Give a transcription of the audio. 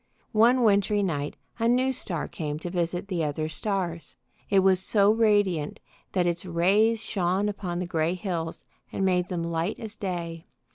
One wintry night a new star came to visit the other stars. It was so radiant that its rays shone upon the gray hills and made them light as day.